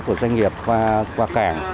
của doanh nghiệp qua cảng